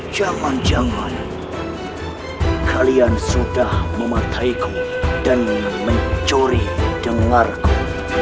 jangan jangan kalian sudah mematahiku dan mencuri dengarku